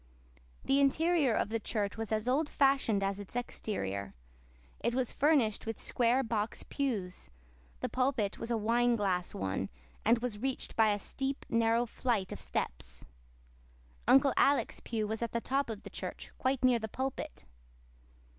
The interior of the church was as old fashioned as its exterior. It was furnished with square box pews; the pulpit was a "wine glass" one, and was reached by a steep, narrow flight of steps. Uncle Alec's pew was at the top of the church, quite near the pulpit.